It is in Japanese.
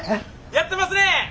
やってますね！